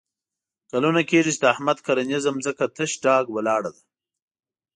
کلونه کېږي چې د احمد کرنیزه ځمکه تش ډاګ ولاړه ده.